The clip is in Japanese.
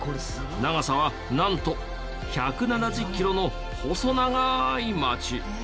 長さはなんと１７０キロの細長い街。